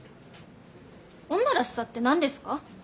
女らしさって何ですか？